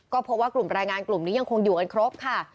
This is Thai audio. ก็พบว่ากลุ่มแรงงานกลุ่มนี้ยังคงอยู่กันครบค่ะ